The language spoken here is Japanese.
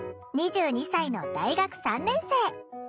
２２歳の大学３年生。